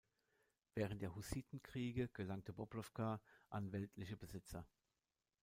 Während der Hussitenkriege gelangte Bobrůvka an weltliche Besitzer.